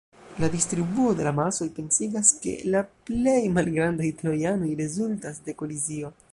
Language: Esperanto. La distribuo de la masoj pensigas, ke la plej malgrandaj trojanoj rezultas de kolizio.